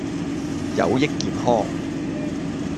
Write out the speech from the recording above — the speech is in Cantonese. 有益健康